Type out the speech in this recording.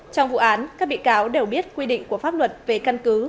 trong vụ án các bị cáo đều biết quy định của pháp luật về căn cứ